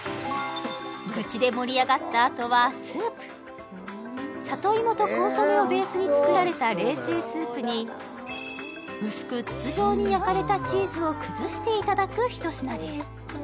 愚痴で盛り上がったあとはスープ里芋とコンソメをベースに作られた冷製スープに薄く筒状に焼かれたチーズを崩していただくひと品です